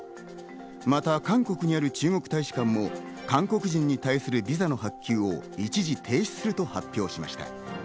また韓国にある中国大使館も韓国人に対するビザの発給を一時停止すると発表しました。